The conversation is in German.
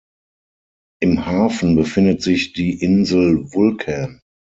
Im Hafen befindet sich die Insel Vulcan.